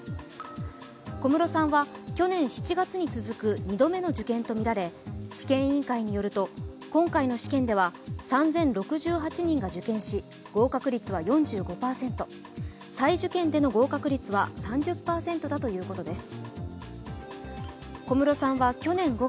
小室さんは去年７月に続く２度目の受験とみられ試験委員会によると今回の試験では３０６８人が受験し、合格率は４５％、再受験での合格率は３０％だということです。